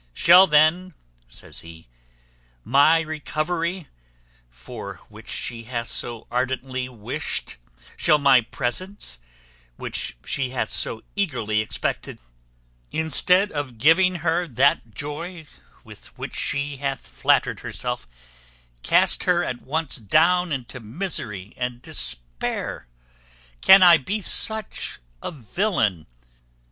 Shall then, says he, my recovery, for which she hath so ardently wished; shall my presence, which she hath so eagerly expected, instead of giving her that joy with which she hath flattered herself, cast her at once down into misery and despair? Can I be such a villain?